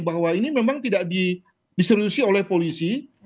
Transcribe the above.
bahwa ini memang tidak diserusi oleh polisi